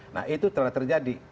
nah itu telah terjadi